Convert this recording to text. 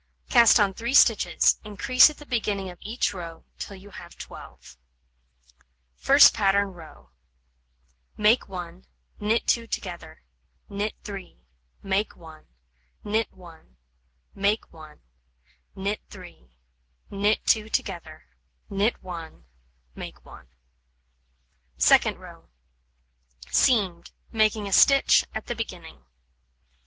Cast on 3 stitches; increase at the beginning of each row till you have 12. First pattern row: Make 1, knit 2 together, knit 3, make 1, knit 1, make 1, knit 3, knit 2 together, knit 1, make 1. Second row: Seamed, making a stitch at the beginning.